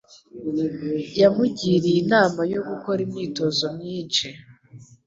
Yamugiriye inama yo gukora imyitozo myinshi